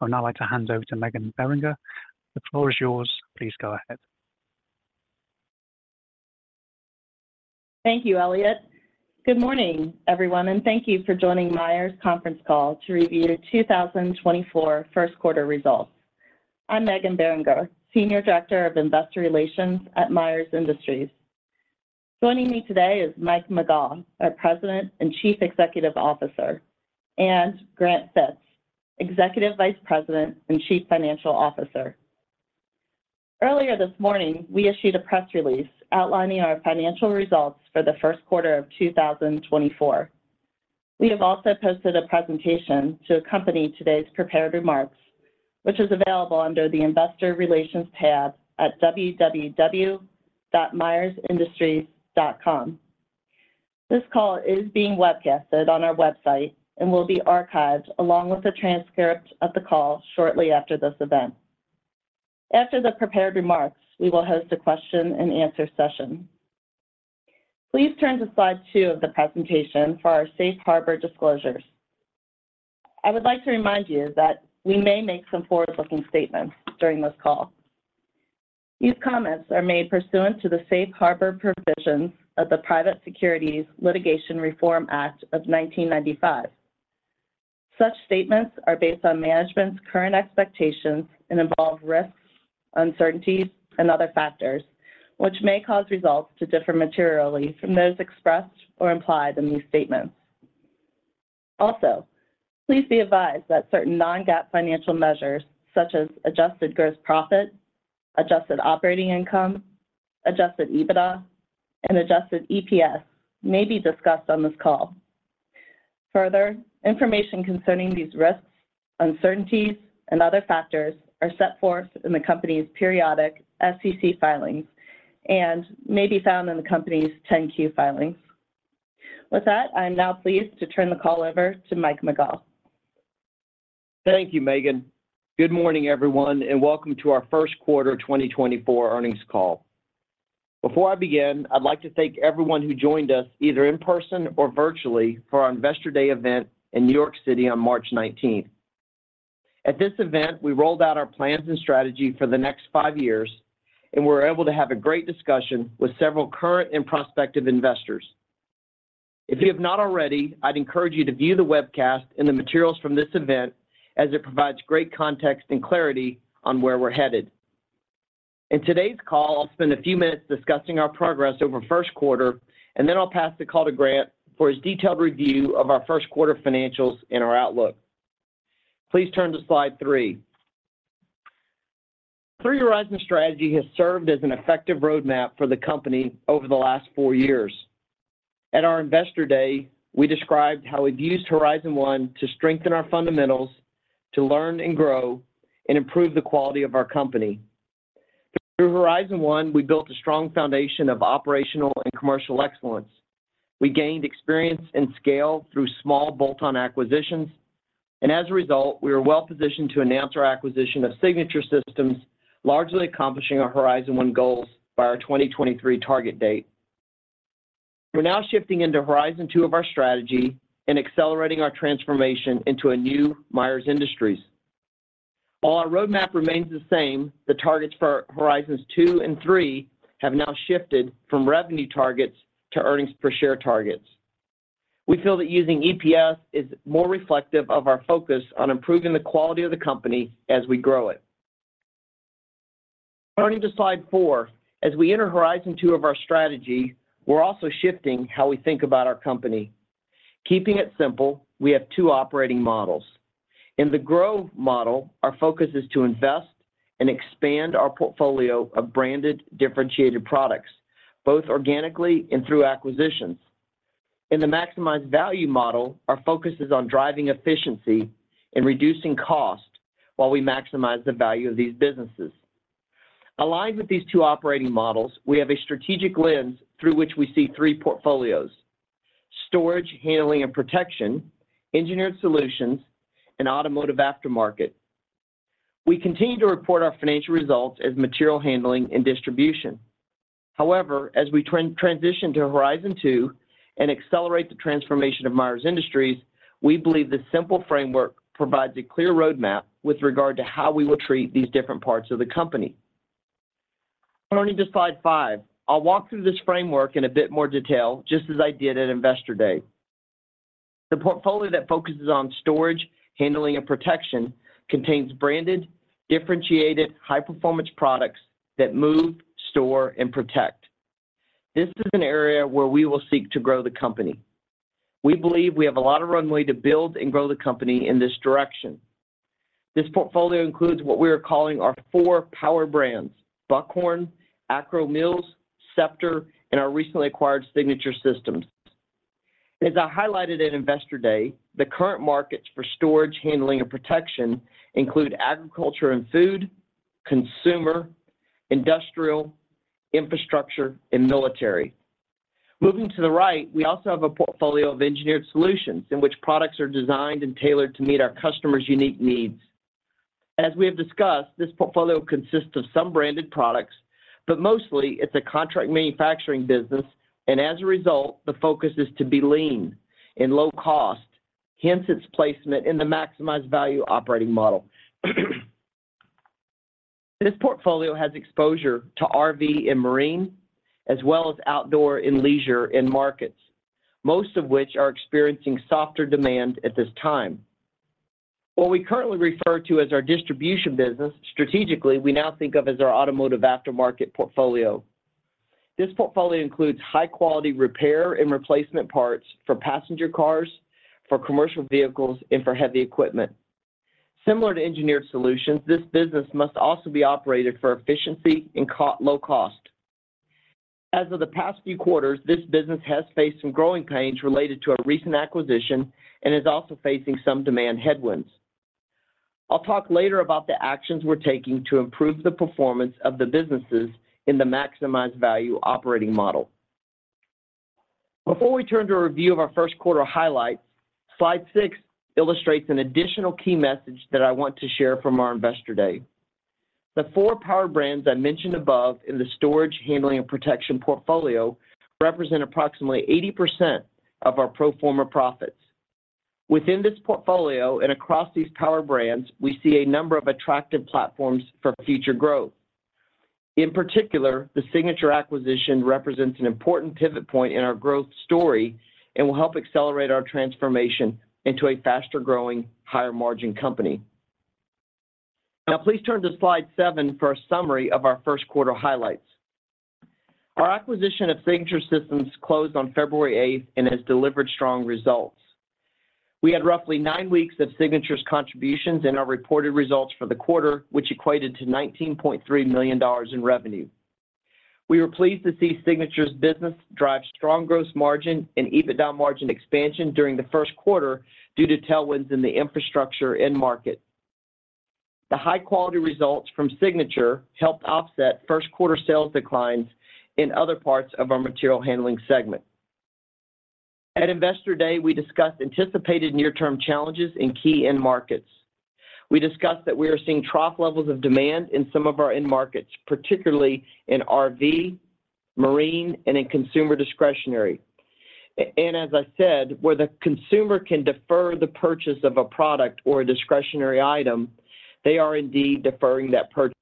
I would now like to hand over to Meghan Beringer. The floor is yours. Please go ahead. Thank you, Elliot. Good morning, everyone, and thank you for joining Myers Conference Call to review your 2024 first quarter results. I'm Meghan Beringer, Senior Director of Investor Relations at Myers Industries. Joining me today is Mike McGaugh, our President and Chief Executive Officer, and Grant Fitz, Executive Vice President and Chief Financial Officer. Earlier this morning, we issued a press release outlining our financial results for the first quarter of 2024. We have also posted a presentation to accompany today's prepared remarks, which is available under the Investor Relations tab at www.myersindustries.com. This call is being webcasted on our website and will be archived, along with a transcript of the call, shortly after this event. After the prepared remarks, we will host a question and answer session. Please turn to slide two of the presentation for our safe harbor disclosures. I would like to remind you that we may make some forward-looking statements during this call. These comments are made pursuant to the safe harbor provisions of the Private Securities Litigation Reform Act of 1995. Such statements are based on management's current expectations and involve risks, uncertainties, and other factors, which may cause results to differ materially from those expressed or implied in these statements. Also, please be advised that certain non-GAAP financial measures, such as Adjusted Gross Profit, Adjusted Operating Income, Adjusted EBITDA, and Adjusted EPS, may be discussed on this call. Further, information concerning these risks, uncertainties, and other factors are set forth in the company's periodic SEC filings and may be found in the company's 10-Q filings. With that, I'm now pleased to turn the call over to Mike McGaugh. Thank you, Meghan. Good morning, everyone, and welcome to our first quarter 2024 earnings call. Before I begin, I'd like to thank everyone who joined us, either in person or virtually, for our Investor Day event in New York City on March 19th. At this event, we rolled out our plans and strategy for the next 5 years, and we were able to have a great discussion with several current and prospective investors. If you have not already, I'd encourage you to view the webcast and the materials from this event as it provides great context and clarity on where we're headed. In today's call, I'll spend a few minutes discussing our progress over first quarter, and then I'll pass the call to Grant for his detailed review of our first quarter financials and our outlook. Please turn to slide three. Three Horizon Strategy has served as an effective roadmap for the company over the last four years. At our Investor Day, we described how we've used Horizon One to strengthen our fundamentals, to learn and grow, and improve the quality of our company. Through Horizon One, we built a strong foundation of operational and commercial excellence. We gained experience and scale through small bolt-on acquisitions, and as a result, we are well-positioned to announce our acquisition of Signature Systems, largely accomplishing our Horizon One goals by our 2023 target date. We're now shifting into Horizon Two of our strategy and accelerating our transformation into a new Myers Industries. While our roadmap remains the same, the targets for Horizons Two and Three have now shifted from revenue targets to earnings per share targets. We feel that using EPS is more reflective of our focus on improving the quality of the company as we grow it. Turning to slide four, as we enter Horizon Two of our strategy, we're also shifting how we think about our company. Keeping it simple, we have two operating models. In the Grow Model, our focus is to invest and expand our portfolio of branded, differentiated products, both organically and through acquisitions. In the Maximized Value Model, our focus is on driving efficiency and reducing cost while we maximize the value of these businesses. Aligned with these two operating models, we have a strategic lens through which we see three portfolios: storage, handling, and protection, engineered solutions, and automotive aftermarket. We continue to report our financial results as material handling and distribution. However, as we transition to Horizon Two and accelerate the transformation of Myers Industries, we believe this simple framework provides a clear roadmap with regard to how we will treat these different parts of the company. Turning to slide five, I'll walk through this framework in a bit more detail, just as I did at Investor Day. The portfolio that focuses on storage, handling, and protection contains branded, differentiated, high-performance products that move, store, and protect. This is an area where we will seek to grow the company. We believe we have a lot of runway to build and grow the company in this direction. This portfolio includes what we are calling our four power brands, Buckhorn, Akro-Mills, Scepter, and our recently acquired Signature Systems. As I highlighted at Investor Day, the current markets for storage, handling, and protection include agriculture and food, consumer, industrial, infrastructure, and military. Moving to the right, we also have a portfolio of engineered solutions in which products are designed and tailored to meet our customers' unique needs. As we have discussed, this portfolio consists of some branded products... But mostly, it's a contract manufacturing business, and as a result, the focus is to be lean and low cost, hence its placement in the maximized value operating model. This portfolio has exposure to RV and marine, as well as outdoor and leisure end markets, most of which are experiencing softer demand at this time. What we currently refer to as our distribution business, strategically, we now think of as our automotive aftermarket portfolio. This portfolio includes high-quality repair and replacement parts for passenger cars, for commercial vehicles, and for heavy equipment. Similar to engineered solutions, this business must also be operated for efficiency and cost-low cost. As of the past few quarters, this business has faced some growing pains related to a recent acquisition and is also facing some demand headwinds. I'll talk later about the actions we're taking to improve the performance of the businesses in the Maximized Value operating model. Before we turn to a review of our first quarter highlights, slide six illustrates an additional key message that I want to share from our Investor Day. The four power brands I mentioned above in the storage, handling, and protection portfolio represent approximately 80% of our pro forma profits. Within this portfolio and across these power brands, we see a number of attractive platforms for future growth. In particular, the Signature acquisition represents an important pivot point in our growth story and will help accelerate our transformation into a faster-growing, higher-margin company. Now, please turn to slide seven for a summary of our first quarter highlights. Our acquisition of Signature Systems closed on February 8th and has delivered strong results. We had roughly nine weeks of Signature's contributions in our reported results for the quarter, which equated to $19.3 million in revenue. We were pleased to see Signature's business drive strong gross margin and EBITDA margin expansion during the first quarter due to tailwinds in the infrastructure end market. The high-quality results from Signature helped offset first quarter sales declines in other parts of our material handling segment. At Investor Day, we discussed anticipated near-term challenges in key end markets. We discussed that we are seeing trough levels of demand in some of our end markets, particularly in RV, marine, and in consumer discretionary. and as I said, where the consumer can defer the purchase of a product or a discretionary item, they are indeed deferring that purchase.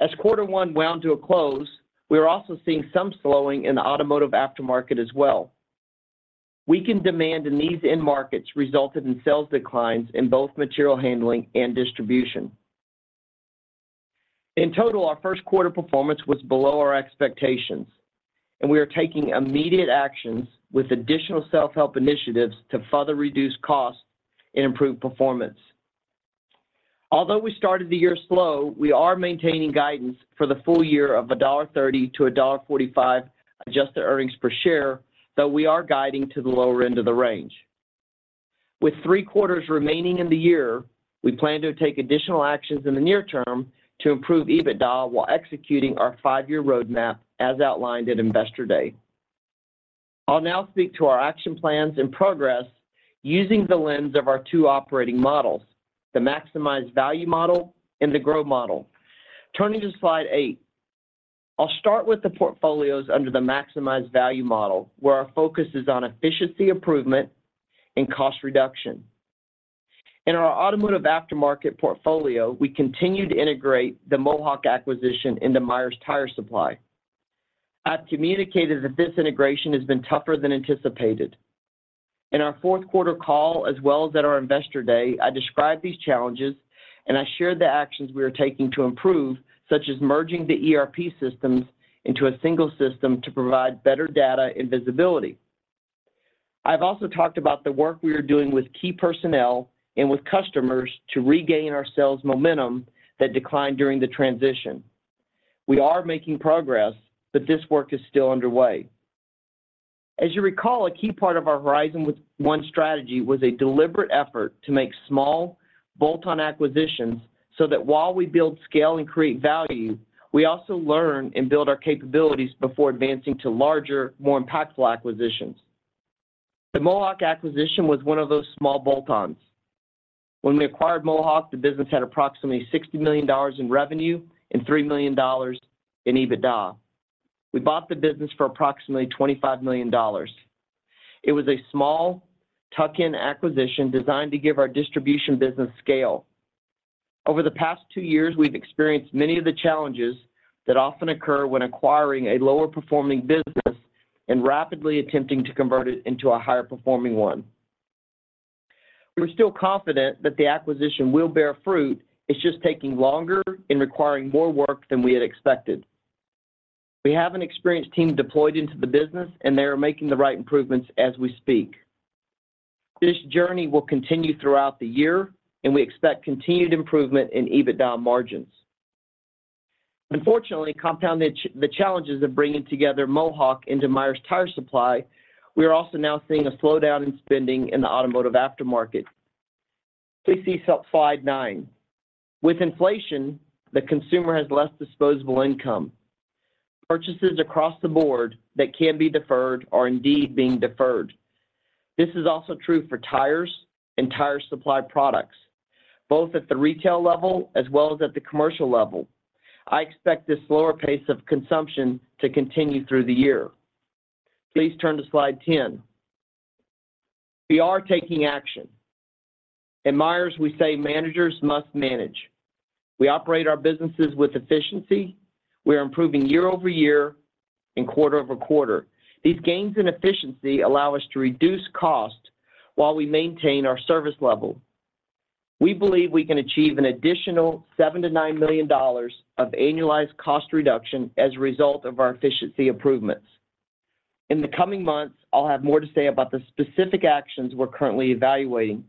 As quarter one wound to a close, we are also seeing some slowing in the automotive aftermarket as well. Weakened demand in these end markets resulted in sales declines in both material handling and distribution. In total, our first quarter performance was below our expectations, and we are taking immediate actions with additional self-help initiatives to further reduce costs and improve performance. Although we started the year slow, we are maintaining guidance for the full year of $1.30-$1.45 adjusted earnings per share, though we are guiding to the lower end of the range. With three quarters remaining in the year, we plan to take additional actions in the near term to improve EBITDA while executing our five-year roadmap, as outlined at Investor Day. I'll now speak to our action plans and progress using the lens of our two operating models: the Maximized Value Model and the Grow Model. Turning to slide eight, I'll start with the portfolios under the Maximized Value Model, where our focus is on efficiency improvement and cost reduction. In our automotive aftermarket portfolio, we continue to integrate the Mohawk acquisition into Myers Tire Supply. I've communicated that this integration has been tougher than anticipated. In our fourth quarter call, as well as at our Investor Day, I described these challenges, and I shared the actions we are taking to improve, such as merging the ERP systems into a single system to provide better data and visibility. I've also talked about the work we are doing with key personnel and with customers to regain our sales momentum that declined during the transition. We are making progress, but this work is still underway. As you recall, a key part of our Horizon One strategy was a deliberate effort to make small, bolt-on acquisitions, so that while we build scale and create value, we also learn and build our capabilities before advancing to larger, more impactful acquisitions. The Mohawk acquisition was one of those small bolt-ons. When we acquired Mohawk, the business had approximately $60 million in revenue and $3 million in EBITDA. We bought the business for approximately $25 million. It was a small, tuck-in acquisition designed to give our distribution business scale. Over the past two years, we've experienced many of the challenges that often occur when acquiring a lower-performing business and rapidly attempting to convert it into a higher-performing one. We're still confident that the acquisition will bear fruit. It's just taking longer and requiring more work than we had expected. We have an experienced team deployed into the business, and they are making the right improvements as we speak. This journey will continue throughout the year, and we expect continued improvement in EBITDA margins. Unfortunately, compounding the challenges of bringing together Mohawk into Myers Tire Supply, we are also now seeing a slowdown in spending in the automotive aftermarket. Please see slide 9. With inflation, the consumer has less disposable income. Purchases across the board that can be deferred are indeed being deferred. This is also true for tires and tire supply products, both at the retail level as well as at the commercial level. I expect this slower pace of consumption to continue through the year. Please turn to slide 10. We are taking action. At Myers, we say, "Managers must manage." We operate our businesses with efficiency. We are improving year-over-year and quarter-over-quarter. These gains in efficiency allow us to reduce costs while we maintain our service level. We believe we can achieve an additional $7 million-$9 million of annualized cost reduction as a result of our efficiency improvements. In the coming months, I'll have more to say about the specific actions we're currently evaluating.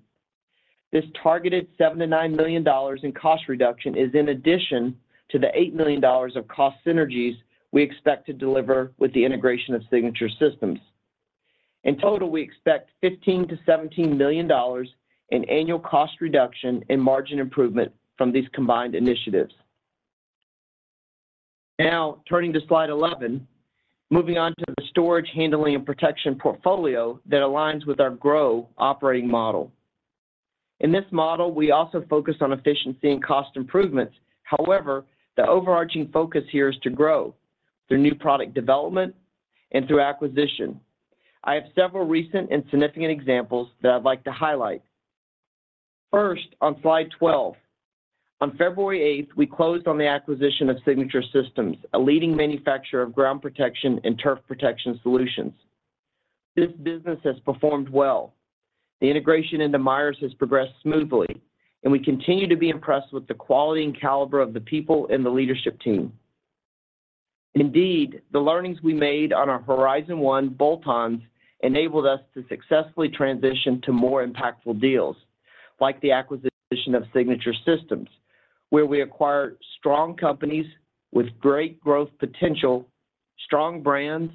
This targeted $7 million-$9 million in cost reduction is in addition to the $8 million of cost synergies we expect to deliver with the integration of Signature Systems. In total, we expect $15 million-$17 million in annual cost reduction and margin improvement from these combined initiatives. Now, turning to slide 11, moving on to the storage, handling, and protection portfolio that aligns with our Grow operating model. In this model, we also focus on efficiency and cost improvements. However, the overarching focus here is to grow through new product development and through acquisition. I have several recent and significant examples that I'd like to highlight. First, on slide 12. On February 8th, we closed on the acquisition of Signature Systems, a leading manufacturer of ground protection and turf protection solutions. This business has performed well. The integration into Myers has progressed smoothly, and we continue to be impressed with the quality and caliber of the people and the leadership team. Indeed, the learnings we made on our Horizon One bolt-ons enabled us to successfully transition to more impactful deals, like the acquisition of Signature Systems, where we acquire strong companies with great growth potential, strong brands,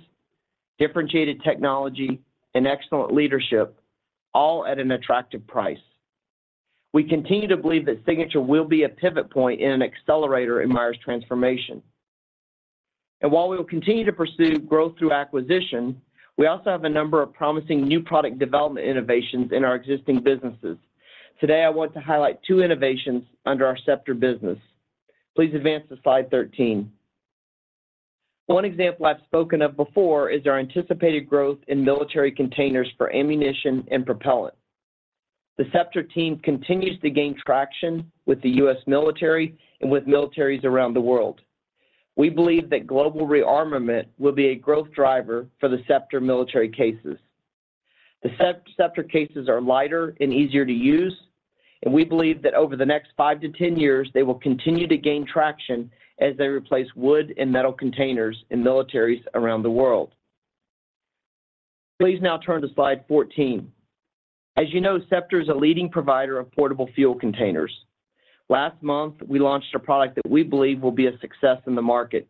differentiated technology, and excellent leadership, all at an attractive price. We continue to believe that Signature will be a pivot point and an accelerator in Myers transformation. And while we will continue to pursue growth through acquisition, we also have a number of promising new product development innovations in our existing businesses. Today, I want to highlight two innovations under our Scepter business. Please advance to slide 13. One example I've spoken of before is our anticipated growth in military containers for ammunition and propellant. The Scepter team continues to gain traction with the U.S. military and with militaries around the world. We believe that global rearmament will be a growth driver for the Scepter military cases. The Scepter cases are lighter and easier to use, and we believe that over the next five to 10 years, they will continue to gain traction as they replace wood and metal containers in militaries around the world. Please now turn to slide 14. As you know, Scepter is a leading provider of portable fuel containers. Last month, we launched a product that we believe will be a success in the market.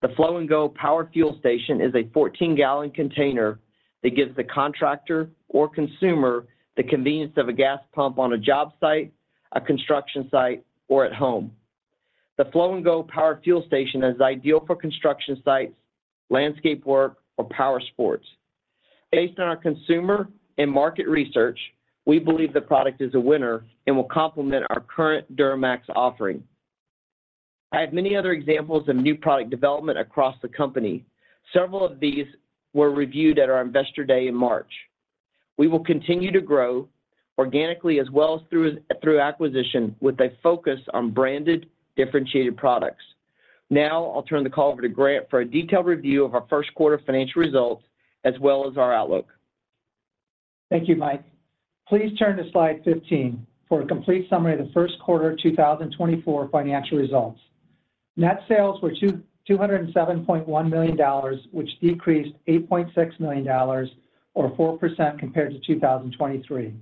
The Flo n' Go Power Fuel Station is a 14 gal container that gives the contractor or consumer the convenience of a gas pump on a job site, a construction site, or at home. The Flo n' Go Power Fuel Station is ideal for construction sites, landscape work, or power sports. Based on our consumer and market research, we believe the product is a winner and will complement our current Duramax offering. I have many other examples of new product development across the company. Several of these were reviewed at our Investor Day in March. We will continue to grow organically as well as through, through acquisition, with a focus on branded, differentiated products. Now, I'll turn the call over to Grant for a detailed review of our first quarter financial results, as well as our outlook. Thank you, Mike. Please turn to slide 15 for a complete summary of the first quarter of 2024 financial results. Net sales were $207.1 million, which decreased $8.6 million or 4% compared to 2023,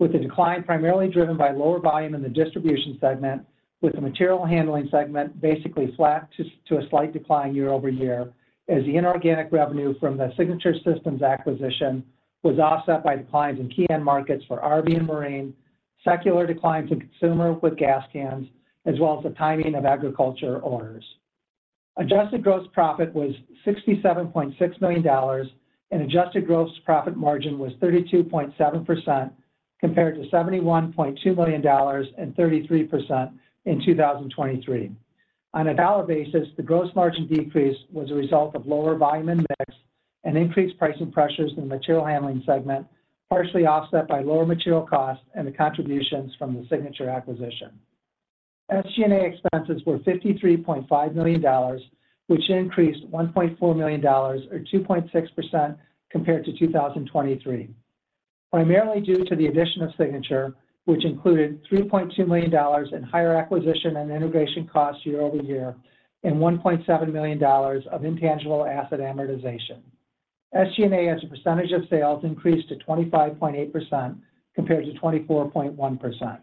with the decline primarily driven by lower volume in the distribution segment, with the material handling segment basically flat to a slight decline year-over-year, as the inorganic revenue from the Signature Systems acquisition was offset by declines in key end markets for RV and Marine, secular declines in consumer with gas cans, as well as the timing of agriculture orders. Adjusted gross profit was $67.6 million, and adjusted gross profit margin was 32.7%, compared to $71.2 million and 33% in 2023. On a dollar basis, the gross margin decrease was a result of lower volume and mix and increased pricing pressures in the material handling segment, partially offset by lower material costs and the contributions from the Signature acquisition. SG&A expenses were $53.5 million, which increased $1.4 million or 2.6% compared to 2023, primarily due to the addition of Signature, which included $3.2 million in higher acquisition and integration costs year over year and $1.7 million of intangible asset amortization. SG&A, as a percentage of sales, increased to 25.8% compared to 24.1%.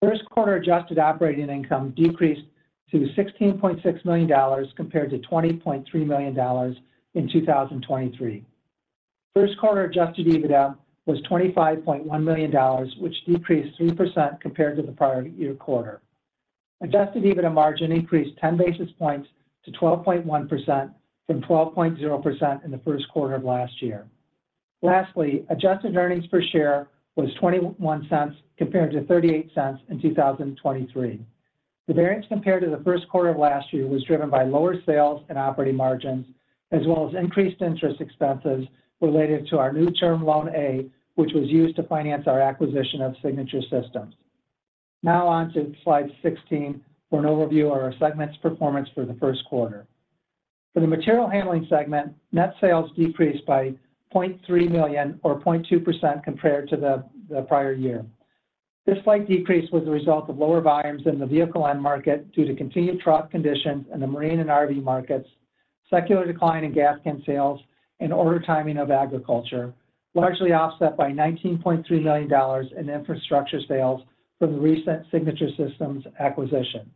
First quarter adjusted operating income decreased to $16.6 million compared to $20.3 million in 2023. First quarter Adjusted EBITDA was $25.1 million, which decreased 3% compared to the prior year quarter. Adjusted EBITDA margin increased 10 basis points to 12.1% from 12.0% in the first quarter of last year. Lastly, adjusted earnings per share was $0.21, compared to $0.38 in 2023. The variance compared to the first quarter of last year was driven by lower sales and operating margins, as well as increased interest expenses related to our new Term Loan A, which was used to finance our acquisition of Signature Systems. Now on to slide 16 for an overview of our segments performance for the first quarter. For the material handling segment, net sales decreased by $0.3 million or 0.2% compared to the prior year. This slight decrease was the result of lower volumes in the vehicle end market due to continued trough conditions in the marine and RV markets, secular decline in gas can sales and order timing of agriculture, largely offset by $19.3 million in infrastructure sales from the recent Signature Systems acquisition.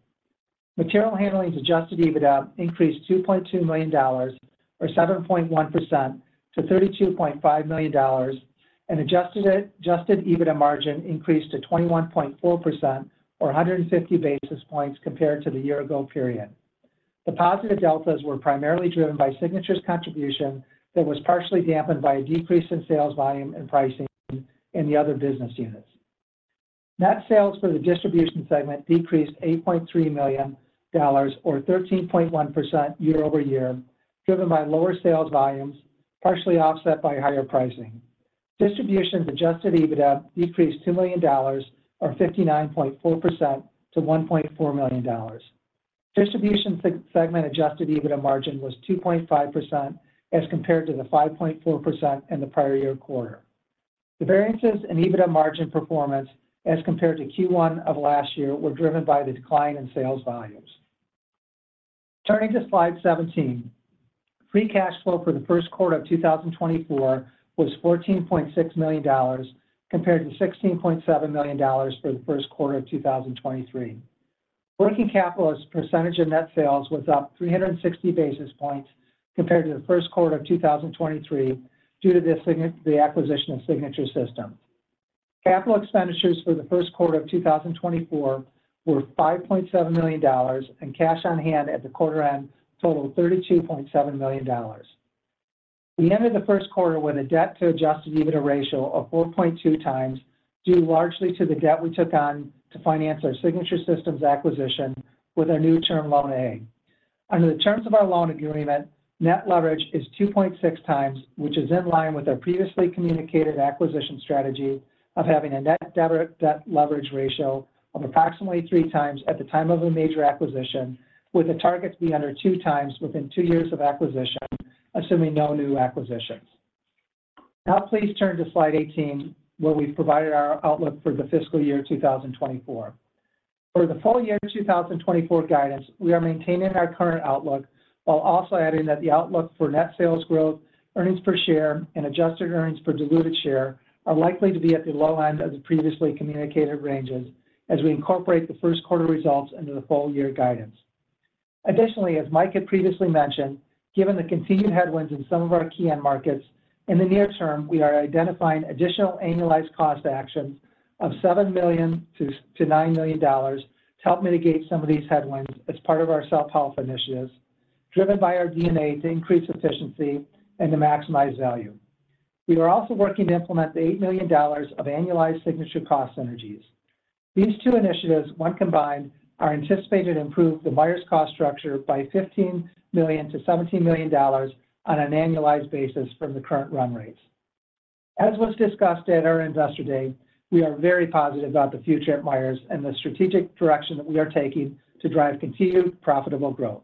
Material Handling's Adjusted EBITDA increased $2.2 million or 7.1% to $32.5 million, and Adjusted EBITDA margin increased to 21.4% or 150 basis points compared to the year ago period. The positive deltas were primarily driven by Signature's contribution that was partially dampened by a decrease in sales volume and pricing in the other business units. Net sales for the distribution segment decreased $8.3 million or 13.1% year-over-year, driven by lower sales volumes, partially offset by higher pricing. Distribution's Adjusted EBITDA decreased $2 million, or 59.4% to $1.4 million. Distribution segment Adjusted EBITDA margin was 2.5% as compared to the 5.4% in the prior year quarter. The variances in EBITDA margin performance as compared to Q1 of last year were driven by the decline in sales volumes. Turning to slide 17. Free cash flow for the first quarter of 2024 was $14.6 million, compared to $16.7 million for the first quarter of 2023. Working capital as a percentage of net sales was up 360 basis points compared to the first quarter of 2023 due to the acquisition of Signature Systems. Capital expenditures for the first quarter of 2024 were $5.7 million, and cash on hand at the quarter end totaled $32.7 million. We ended the first quarter with a debt to Adjusted EBITDA ratio of 4.2x, due largely to the debt we took on to finance our Signature Systems acquisition with our new Term Loan A. Under the terms of our loan agreement, net leverage is 2.6x, which is in line with our previously communicated acquisition strategy of having a net debt leverage ratio of approximately 3x at the time of a major acquisition, with the target to be under 2x within two years of acquisition, assuming no new acquisitions. Now, please turn to slide 18, where we've provided our outlook for the fiscal year 2024. For the full year 2024 guidance, we are maintaining our current outlook, while also adding that the outlook for net sales growth, earnings per share, and adjusted earnings per diluted share are likely to be at the low end of the previously communicated ranges as we incorporate the first quarter results into the full year guidance. Additionally, as Mike had previously mentioned, given the continued headwinds in some of our key end markets, in the near term, we are identifying additional annualized cost actions of $7 million-$9 million to help mitigate some of these headwinds as part of our self-help initiatives, driven by our DNA to increase efficiency and to maximize value. We are also working to implement the $8 million of annualized Signature cost synergies. These two initiatives, when combined, are anticipated to improve the Myers cost structure by $15 million-$17 million on an annualized basis from the current run rates. As was discussed at our Investor Day, we are very positive about the future at Myers and the strategic direction that we are taking to drive continued profitable growth.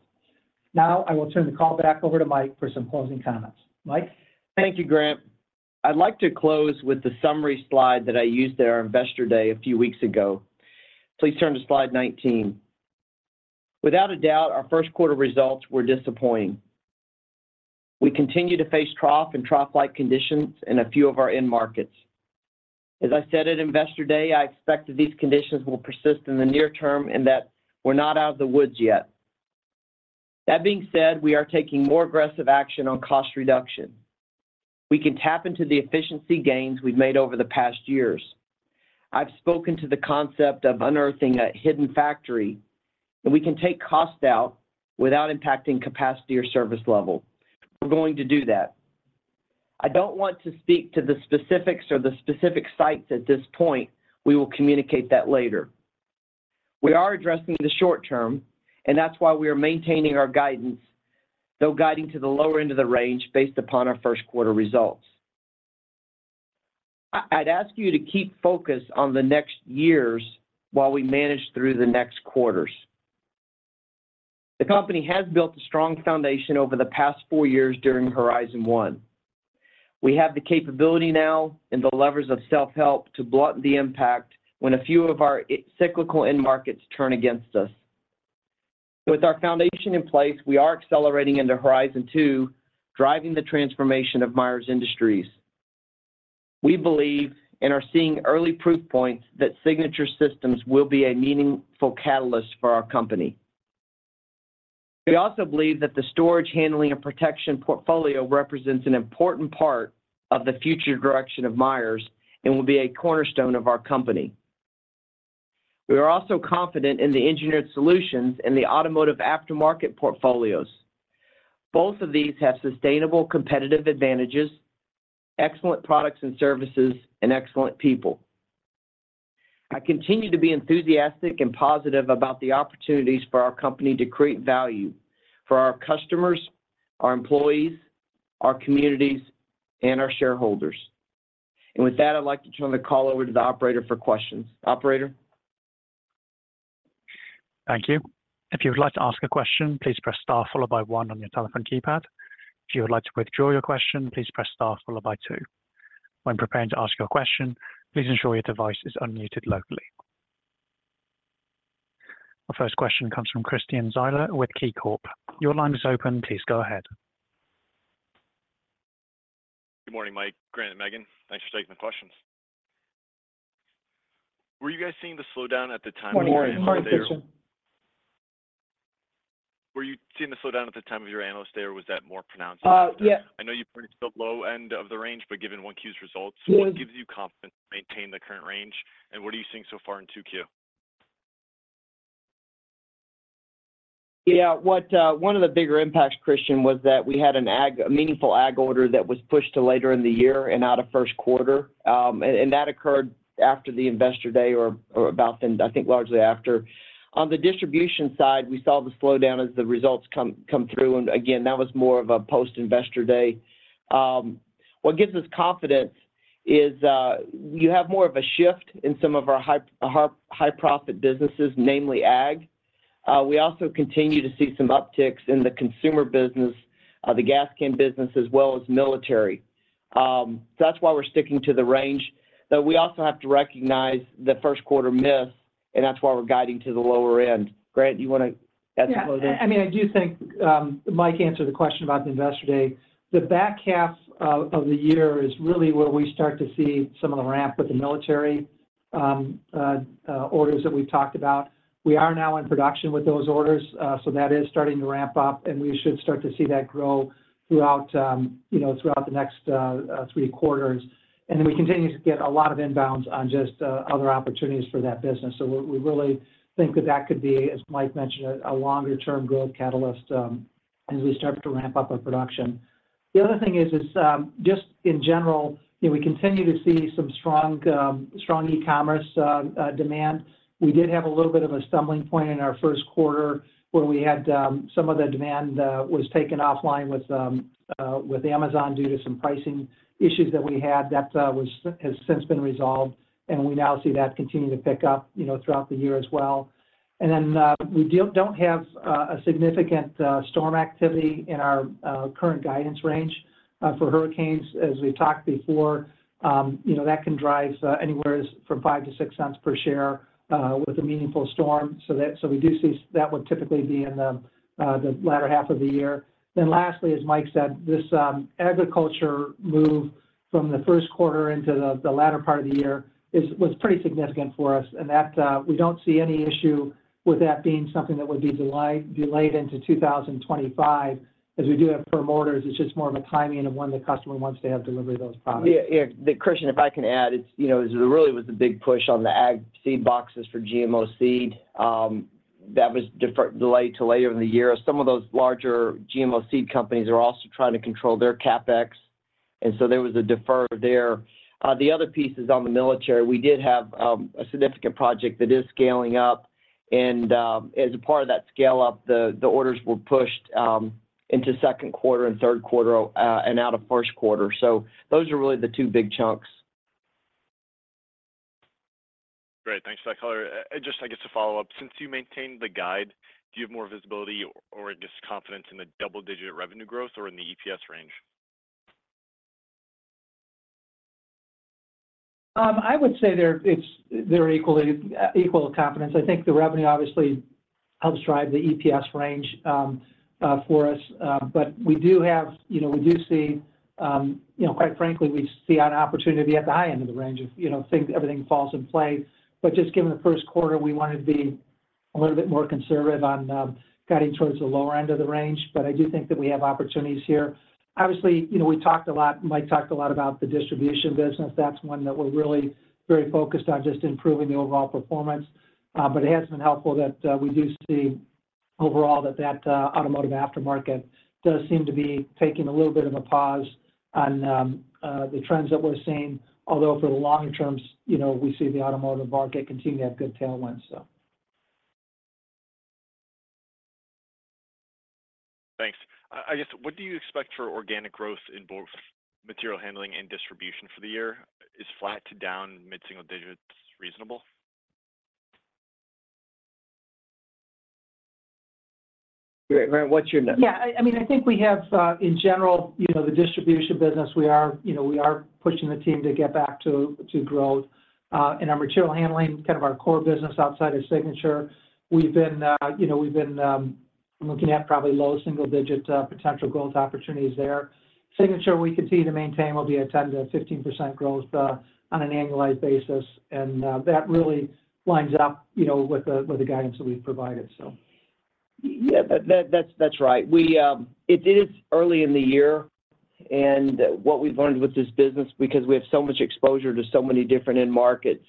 Now, I will turn the call back over to Mike for some closing comments. Mike? Thank you, Grant. I'd like to close with the summary slide that I used at our Investor Day a few weeks ago. Please turn to slide 19. Without a doubt, our first quarter results were disappointing. We continue to face trough and trough-like conditions in a few of our end markets. As I said at Investor Day, I expect that these conditions will persist in the near term and that we're not out of the woods yet. That being said, we are taking more aggressive action on cost reduction. We can tap into the efficiency gains we've made over the past years. I've spoken to the concept of unearthing a hidden factory, and we can take costs out without impacting capacity or service level. We're going to do that. I don't want to speak to the specifics or the specific sites at this point. We will communicate that later. We are addressing the short term, and that's why we are maintaining our guidance, though guiding to the lower end of the range based upon our first quarter results. I, I'd ask you to keep focus on the next years while we manage through the next quarters. The company has built a strong foundation over the past four years during Horizon One. We have the capability now and the levers of self-help to blunt the impact when a few of our cyclical end markets turn against us. With our foundation in place, we are accelerating into Horizon Two, driving the transformation of Myers Industries. We believe and are seeing early proof points that Signature Systems will be a meaningful catalyst for our company.... We also believe that the storage handling and protection portfolio represents an important part of the future direction of Myers and will be a cornerstone of our company. We are also confident in the engineered solutions and the automotive aftermarket portfolios. Both of these have sustainable competitive advantages, excellent products and services, and excellent people. I continue to be enthusiastic and positive about the opportunities for our company to create value for our customers, our employees, our communities, and our shareholders. With that, I'd like to turn the call over to the operator for questions. Operator? Thank you. If you would like to ask a question, please press star followed by one on your telephone keypad. If you would like to withdraw your question, please press star followed by two. When preparing to ask your question, please ensure your device is unmuted locally. Our first question comes from Christian Zyla with KeyCorp. Your line is open. Please go ahead. Good morning, Mike, Grant, and Meghan. Thanks for taking the questions. Were you guys seeing the slowdown at the time of your Analyst Day or? Good morning, Christian. Were you seeing the slowdown at the time of your Analyst Day, or was that more pronounced? Uh, yeah. I know you've reached the low end of the range, but given 1Q's results- Yes. What gives you confidence to maintain the current range? What are you seeing so far in 2Q? Yeah, what one of the bigger impacts, Christian, was that we had a meaningful Ag order that was pushed to later in the year and out of first quarter. And that occurred after the Investor Day or about then, I think, largely after. On the distribution side, we saw the slowdown as the results come through, and again, that was more of a post-Investor Day. What gives us confidence is you have more of a shift in some of our high-profit businesses, namely Ag. We also continue to see some upticks in the consumer business, the gas can business, as well as military. That's why we're sticking to the range, but we also have to recognize the first quarter miss, and that's why we're guiding to the lower end. Grant, you want to add some more there? Yeah. I mean, I do think Mike answered the question about the Investor Day. The back half of the year is really where we start to see some of the ramp with the military orders that we've talked about. We are now in production with those orders, so that is starting to ramp up, and we should start to see that grow throughout, you know, throughout the next three quarters. And then we continue to get a lot of inbounds on just other opportunities for that business. So we really think that that could be, as Mike mentioned, a longer-term growth catalyst, as we start to ramp up our production. The other thing is just in general, you know, we continue to see some strong strong e-commerce demand. We did have a little bit of a stumbling point in our first quarter, where we had some of the demand was taken offline with Amazon due to some pricing issues that we had. That has since been resolved, and we now see that continuing to pick up, you know, throughout the year as well. And then, we don't have a significant storm activity in our current guidance range for hurricanes. As we've talked before, you know, that can drive anywhere from $0.05-$0.06 per share with a meaningful storm. So we do see that would typically be in the latter half of the year. Then lastly, as Mike said, this agriculture move from the first quarter into the latter part of the year was pretty significant for us, and that we don't see any issue with that being something that would be delayed into 2025, as we do have firm orders. It's just more of a timing of when the customer wants to have delivery of those products. Yeah, yeah. Christian, if I can add, it's, you know, it really was a big push on the Ag seed boxes for GMO seed. That was delayed to later in the year. Some of those larger GMO seed companies are also trying to control their CapEx, and so there was a deferral there. The other piece is on the military. We did have a significant project that is scaling up, and as a part of that scale-up, the orders were pushed into second quarter and third quarter, and out of first quarter. So those are really the two big chunks. Great. Thanks for that color. Just, I guess, to follow up, since you maintained the guide, do you have more visibility or just confidence in the double-digit revenue growth or in the EPS range? I would say they're—it's, they're equally equal confidence. I think the revenue obviously helps drive the EPS range for us. But we do have, you know, we do see, you know, quite frankly, we see an opportunity at the high end of the range of, you know, things, everything falls in play. But just given the first quarter, we wanted to be a little bit more conservative on guiding towards the lower end of the range. But I do think that we have opportunities here. Obviously, you know, we talked a lot, Mike talked a lot about the distribution business. That's one that we're really very focused on, just improving the overall performance. But it has been helpful that we do see overall that the automotive aftermarket does seem to be taking a little bit of a pause on the trends that we're seeing. Although for the longer terms, you know, we see the automotive market continue to have good tailwinds, so. Thanks. I guess, what do you expect for organic growth in both material handling and distribution for the year? Is flat to down mid-single digits reasonable? Great. Grant, what's your number? Yeah, I mean, I think we have, in general, you know, the distribution business, we are, you know, we are pushing the team to get back to growth. And our material handling, kind of our core business outside of Signature, we've been looking at probably low single-digit potential growth opportunities there. Signature, we continue to maintain, will be a 10%-15% growth on an annualized basis, and that really lines up, you know, with the guidance that we've provided, so. ... Yeah, that's right. We, it is early in the year, and what we've learned with this business, because we have so much exposure to so many different end markets,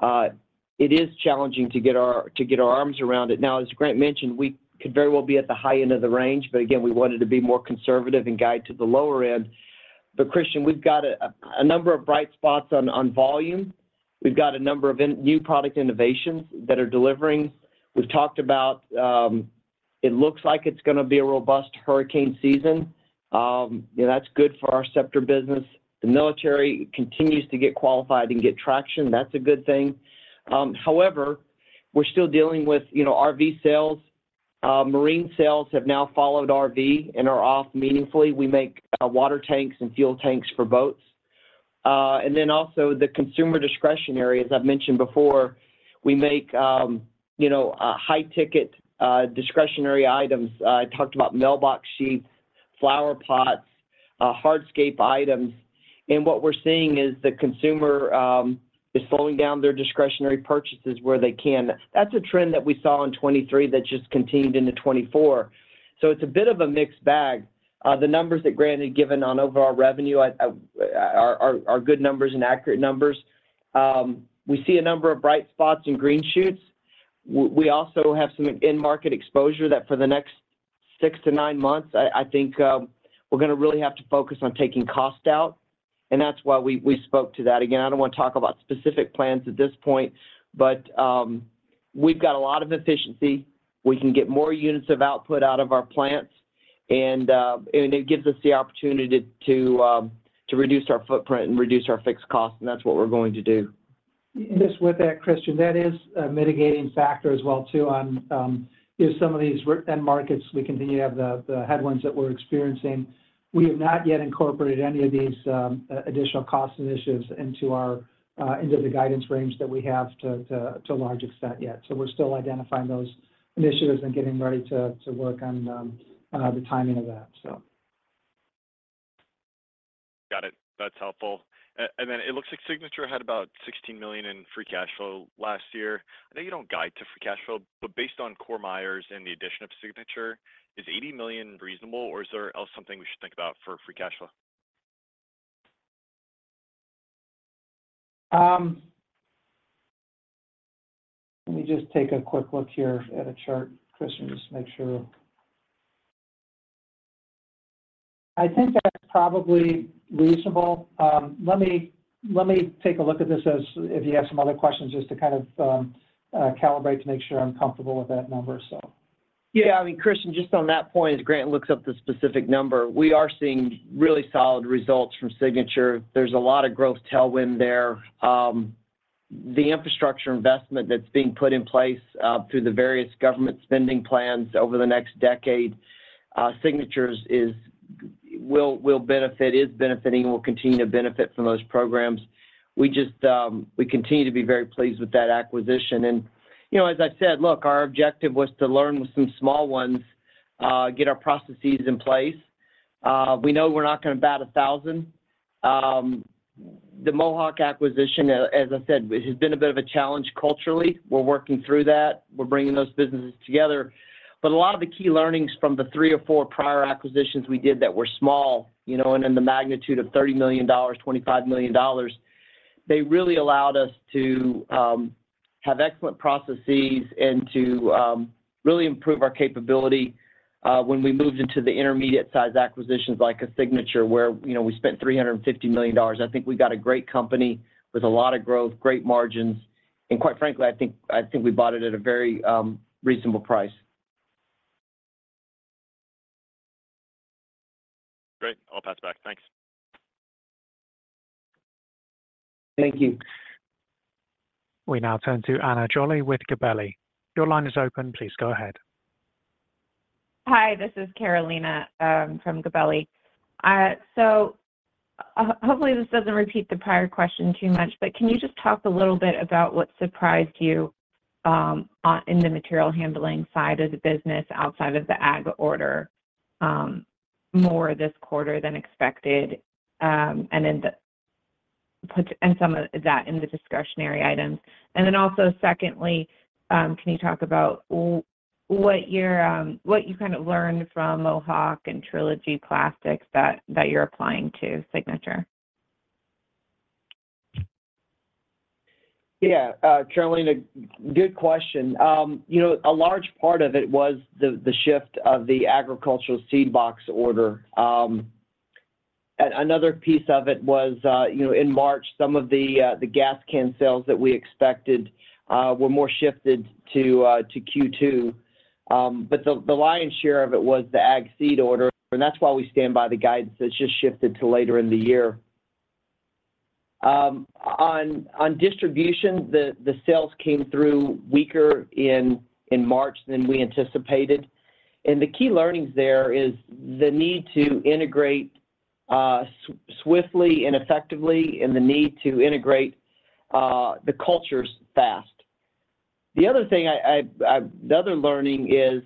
it is challenging to get our arms around it. Now, as Grant mentioned, we could very well be at the high end of the range, but again, we wanted to be more conservative and guide to the lower end. But Christian, we've got a number of bright spots on volume. We've got a number of new product innovations that are delivering. We've talked about, it looks like it's gonna be a robust hurricane season. You know, that's good for our Scepter business. The military continues to get qualified and get traction. That's a good thing. However, we're still dealing with, you know, RV sales. Marine sales have now followed RV and are off meaningfully. We make water tanks and fuel tanks for boats. And then also the consumer discretionary, as I've mentioned before, we make you know high-ticket discretionary items. I talked about mailbox sheets, flower pots hardscape items. And what we're seeing is the consumer is slowing down their discretionary purchases where they can. That's a trend that we saw in 2023 that just continued into 2024. So it's a bit of a mixed bag. The numbers that Grant had given on overall revenue are good numbers and accurate numbers. We see a number of bright spots and green shoots. We also have some end market exposure that for the next six to nine months, I think, we're gonna really have to focus on taking cost out, and that's why we spoke to that. Again, I don't want to talk about specific plans at this point, but we've got a lot of efficiency. We can get more units of output out of our plants, and it gives us the opportunity to reduce our footprint and reduce our fixed cost, and that's what we're going to do. Just with that, Christian, that is a mitigating factor as well, too, on if some of these end markets, we continue to have the headwinds that we're experiencing. We have not yet incorporated any of these additional cost initiatives into our into the guidance range that we have to a large extent yet. So we're still identifying those initiatives and getting ready to work on the timing of that, so. Got it. That's helpful. And then it looks like Signature had about $16 million in free cash flow last year. I know you don't guide to free cash flow, but based on core Myers and the addition of Signature, is $80 million reasonable, or is there something we should think about for free cash flow? Let me just take a quick look here at a chart, Christian, just to make sure. I think that's probably reasonable. Let me take a look at this as if you have some other questions, just to kind of calibrate to make sure I'm comfortable with that number, so. Yeah, I mean, Christian, just on that point, as Grant looks up the specific number, we are seeing really solid results from Signature. There's a lot of growth tailwind there. The infrastructure investment that's being put in place through the various government spending plans over the next decade, Signature will benefit, is benefiting, will continue to benefit from those programs. We just, we continue to be very pleased with that acquisition. And, you know, as I said, look, our objective was to learn with some small ones, get our processes in place. We know we're not gonna bat a thousand. The Mohawk acquisition, as I said, has been a bit of a challenge culturally. We're working through that. We're bringing those businesses together. But a lot of the key learnings from the three or four prior acquisitions we did that were small, you know, and in the magnitude of $30 million, $25 million, they really allowed us to have excellent processes and to really improve our capability when we moved into the intermediate-sized acquisitions, like a Signature, where, you know, we spent $350 million. I think we got a great company with a lot of growth, great margins, and quite frankly, I think, I think we bought it at a very reasonable price. Great. I'll pass it back. Thanks. Thank you. We now turn to Ana Jolly with Gabelli. Your line is open. Please go ahead. Hi, this is Carolina from Gabelli. So hopefully, this doesn't repeat the prior question too much, but can you just talk a little bit about what surprised you in the material handling side of the business, outside of the ag order, more this quarter than expected, and then put some of that in the discretionary items? And then also, secondly, can you talk about what you kind of learned from Mohawk and Trilogy Plastics that you're applying to Signature? Yeah, Carolina, good question. You know, a large part of it was the shift of the agricultural seed box order. Another piece of it was, you know, in March, some of the gas can sales that we expected were more shifted to Q2. But the lion's share of it was the Ag seed order, and that's why we stand by the guidance that's just shifted to later in the year. On distribution, the sales came through weaker in March than we anticipated. And the key learnings there is the need to integrate swiftly and effectively, and the need to integrate the cultures fast. The other learning is,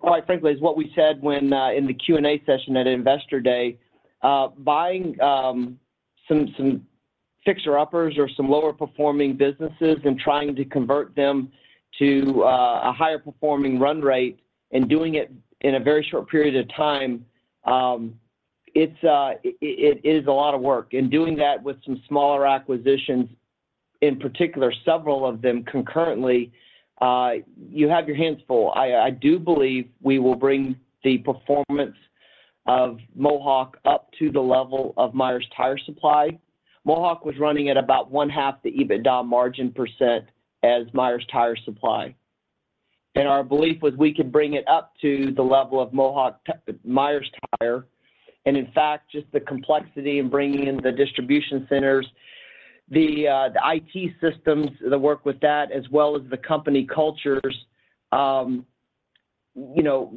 quite frankly, it's what we said when in the Q&A session at Investor Day. Buying some fixer-uppers or some lower-performing businesses and trying to convert them to a higher-performing run rate and doing it in a very short period of time, it is a lot of work. Doing that with some smaller acquisitions, in particular, several of them concurrently, you have your hands full. I do believe we will bring the performance of Mohawk up to the level of Myers Tire Supply. Mohawk was running at 1/2 the EBITDA margin percent as Myers Tire Supply. Our belief was we could bring it up to the level of Myers Tire. In fact, just the complexity in bringing in the distribution centers, the IT systems, the work with that, as well as the company cultures, you know,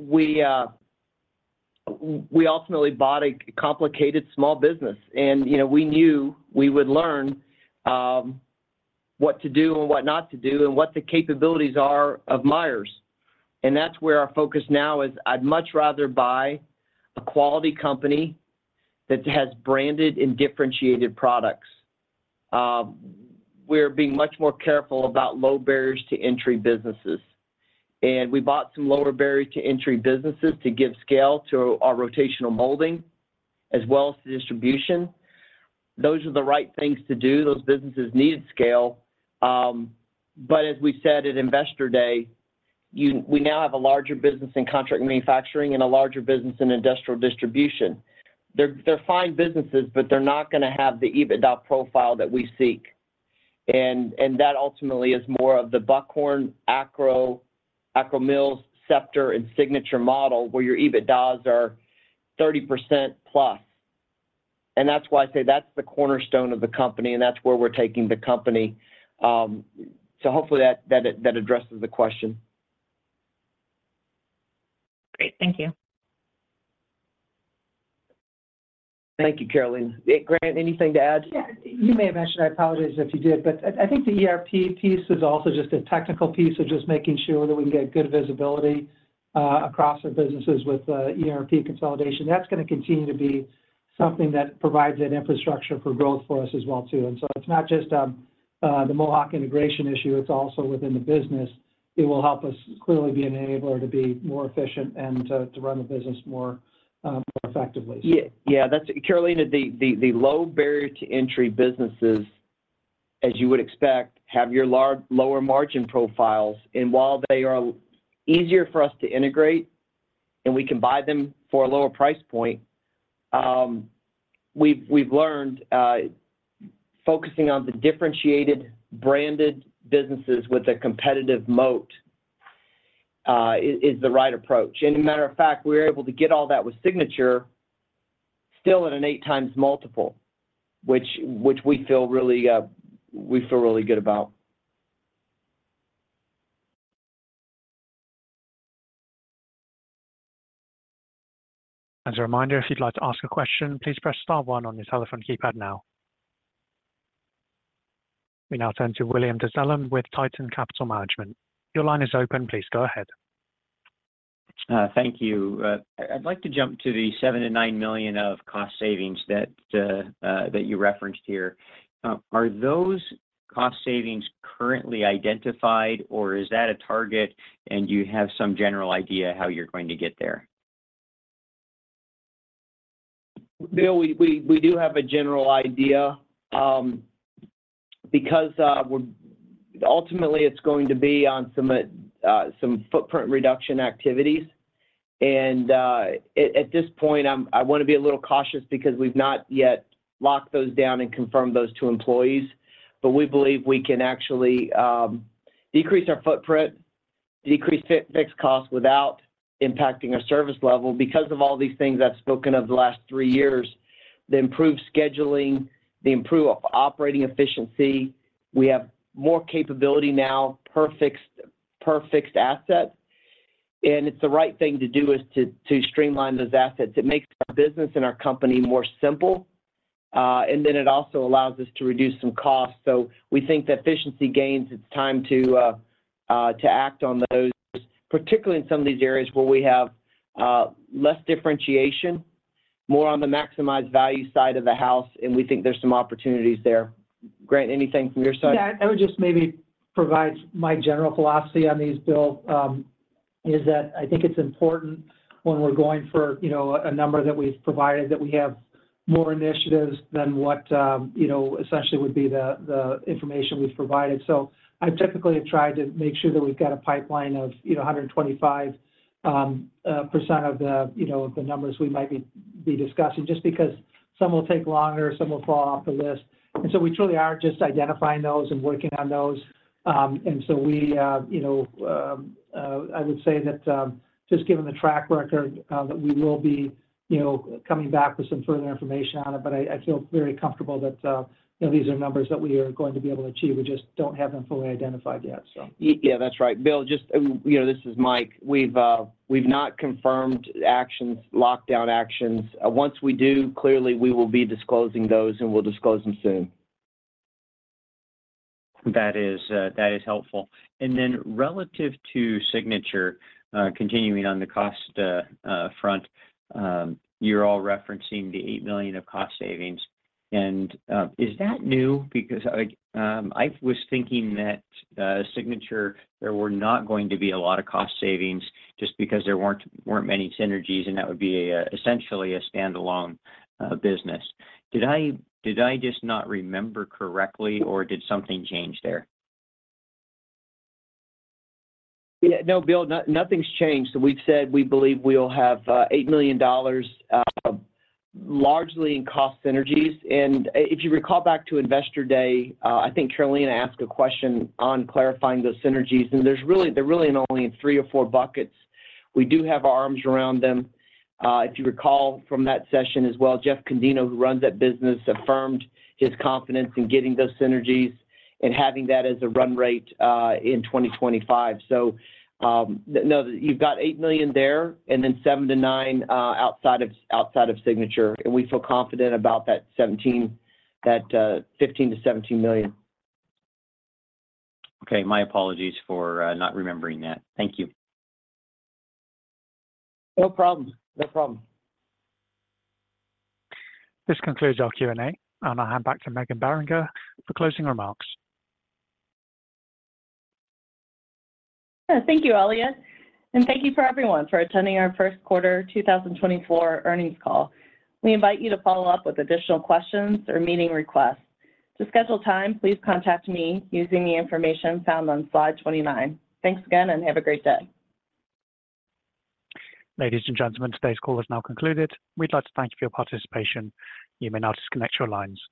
we ultimately bought a complicated small business. And, you know, we knew we would learn, what to do and what not to do and what the capabilities are of Myers, and that's where our focus now is. I'd much rather buy a quality company that has branded and differentiated products. We're being much more careful about low barriers to entry businesses. And we bought some lower barrier to entry businesses to give scale to our rotational molding as well as the distribution. Those are the right things to do. Those businesses needed scale. But as we said at Investor Day, you—we now have a larger business in contract manufacturing and a larger business in industrial distribution. They're, they're fine businesses, but they're not gonna have the EBITDA profile that we seek. And, and that ultimately is more of the Buckhorn, Akro-Mils, Scepter, and Signature model, where your EBITDAs are 30%+. And that's why I say that's the cornerstone of the company, and that's where we're taking the company. So hopefully that, that, that addresses the question. Great. Thank you. Thank you, Carolina. Grant, anything to add? Yeah. You may have mentioned, I apologize if you did, but I think the ERP piece is also just a technical piece of just making sure that we can get good visibility across our businesses with ERP consolidation. That's gonna continue to be something that provides an infrastructure for growth for us as well, too. And so it's not just the Mohawk integration issue, it's also within the business. It will help us clearly be an enabler to be more efficient and to run the business more effectively. Yeah, yeah. That's—Carolina, the low barrier to entry businesses, as you would expect, have your large lower margin profiles. And while they are easier for us to integrate and we can buy them for a lower price point, we've learned, focusing on the differentiated, branded businesses with a competitive moat, is the right approach. And matter of fact, we're able to get all that with Signature still at an 8x multiple, which we feel really good about. As a reminder, if you'd like to ask a question, please press star one on your telephone keypad now. We now turn to William Dezellem with Tieton Capital Management. Your line is open. Please go ahead. Thank you. I'd like to jump to the $7 million-$9 million of cost savings that you referenced here. Are those cost savings currently identified, or is that a target, and you have some general idea how you're going to get there? Bill, we do have a general idea, because we're... Ultimately, it's going to be on some footprint reduction activities. At this point, I wanna be a little cautious because we've not yet locked those down and confirmed those to employees. But we believe we can actually decrease our footprint, decrease fixed costs without impacting our service level because of all these things I've spoken of the last three years, the improved scheduling, the improved operating efficiency. We have more capability now per fixed asset, and it's the right thing to do, to streamline those assets. It makes our business and our company more simple, and then it also allows us to reduce some costs. So we think the efficiency gains, it's time to act on those, particularly in some of these areas where we have less differentiation, more on the maximized value side of the house, and we think there's some opportunities there. Grant, anything from your side? Yeah. I would just maybe provide my general philosophy on these, Bill, is that I think it's important when we're going for, you know, a number that we've provided, that we have more initiatives than what, you know, essentially would be the information we've provided. So I typically have tried to make sure that we've got a pipeline of, you know, 125% of the, you know, the numbers we might be discussing, just because some will take longer, some will fall off the list. And so we, you know, I would say that, just given the track record, that we will be, you know, coming back with some further information on it. But I feel very comfortable that, you know, these are numbers that we are going to be able to achieve. We just don't have them fully identified yet, so. Yeah, that's right. Bill, just, you know, this is Mike. We've not confirmed actions, locked down actions. Once we do, clearly, we will be disclosing those, and we'll disclose them soon.... That is, that is helpful. And then relative to Signature, continuing on the cost front, you're all referencing the $8 million of cost savings. And, is that new? Because, I was thinking that, Signature, there were not going to be a lot of cost savings just because there weren't many synergies, and that would be essentially a standalone business. Did I just not remember correctly, or did something change there? Yeah. No, Bill, nothing's changed. We've said we believe we'll have $8 million, largely in cost synergies. If you recall back to Investor Day, I think Carolina asked a question on clarifying those synergies, and they're really only in three or four buckets. We do have our arms around them. If you recall from that session as well, Jeff Condino, who runs that business, affirmed his confidence in getting those synergies and having that as a run rate in 2025. So, no, you've got $8 million there, and then $7 million-$9 million outside of Signature, and we feel confident about that $15-$17 million. Okay, my apologies for not remembering that. Thank you. No problem. No problem. This concludes our Q&A, and I'll hand back to Meghan Beringer for closing remarks. Thank you, Elliot, and thank you for everyone for attending our first quarter 2024 earnings call. We invite you to follow up with additional questions or meeting requests. To schedule time, please contact me using the information found on slide 29. Thanks again, and have a great day. Ladies and gentlemen, today's call is now concluded. We'd like to thank you for your participation. You may now disconnect your lines.